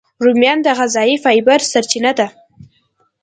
رومیان د غذایي فایبر سرچینه ده